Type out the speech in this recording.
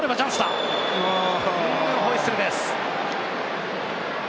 ホイッスルです。